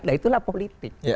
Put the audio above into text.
nah itulah politik